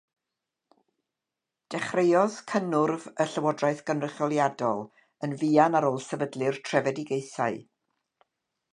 Dechreuodd cynnwrf y llywodraeth gynrychioliadol yn fuan ar ôl sefydlu'r trefedigaethau.